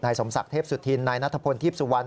สมศักดิ์เทพสุธินนายนัทพลทีพสุวรรณ